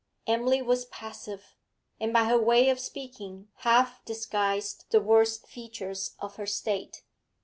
Emily was passive, and by her way of speaking half disguised the worst features of her state.